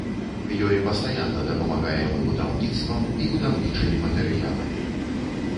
Ёй пастаянна дапамагаем і будаўніцтвам, і будаўнічымі матэрыяламі.